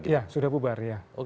ya sudah bubar